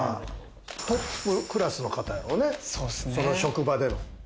トップクラスの方やろうね、その職場での。